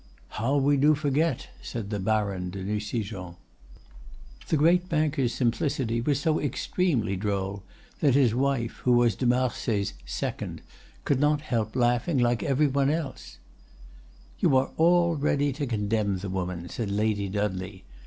"How we do forget!" said the Baron de Nucingen. The great banker's simplicity was so extremely droll, that his wife, who was de Marsay's "second," could not help laughing like every one else. "You are all ready to condemn the woman," said Lady Dudley.